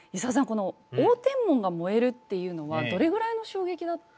この応天門が燃えるっていうのはどれぐらいの衝撃だったんですか。